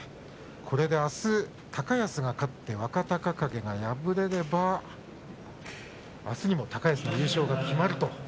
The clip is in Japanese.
これであす高安が勝って若隆景が敗れればあすにも高安の優勝が決まると。